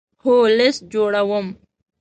هو، لست جوړوم